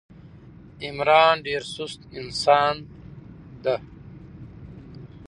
عمران ډېر سوست انسان ده.